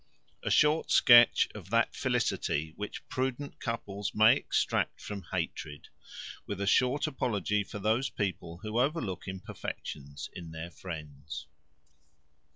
A short sketch of that felicity which prudent couples may extract from hatred: with a short apology for those people who overlook imperfections in their friends.